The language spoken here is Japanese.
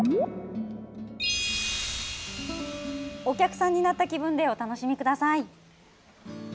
お客さんになった気分でお楽しみください。